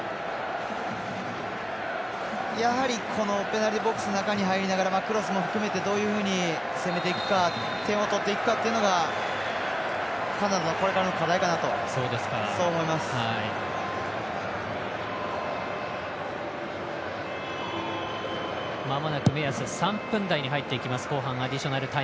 やはりペナルティーボックスの中に入りながらクロスも含めてどういうふうに攻めていくか、点を取っていくかっていうのがカナダのこれからの課題かなとそう思います。